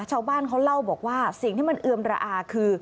ชาวบ้านเขาเล่าบอกว่าสิ่งที่มันเอือมระอาคือ